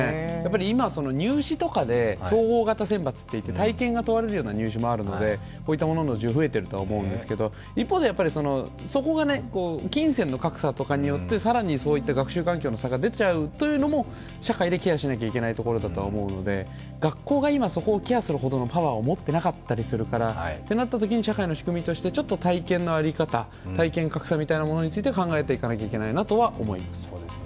今、入試とかで総合型選抜といって体験が問われるような入試もあるので、こういったものの需要は増えていると思うんですけど一方でそこが金銭の格差とかによって更に学習環境の差が出ちゃうというのも社会でケアしなきゃいけないところだと思うので、学校が今そこをケアするほどのパワーを持っていなかったりするからとなったときに社会の仕組みとして体験の在り方、体験格差みたいなものについて考えていかないといけないなとは思います。